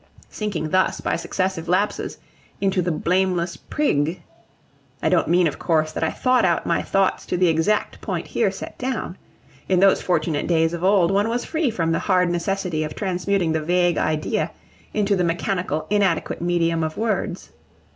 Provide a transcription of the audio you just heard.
sinking thus, by successive lapses, into the Blameless Prig? I don't mean, of course, that I thought out my thoughts to the exact point here set down. In those fortunate days of old one was free from the hard necessity of transmuting the vague idea into the mechanical inadequate medium of words.